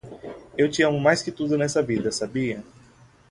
Eu te amo mais que tudo nessa vida, sabia?